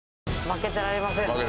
負けてられません